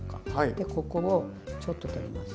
でここをちょっと取ります。